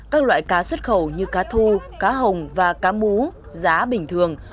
các loại cá xuất khẩu như cá thu cá hồng và cá mú giá bình thường